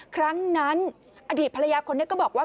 ครั้งนั้นอดีตภรรยาคนนี้ก็บอกว่า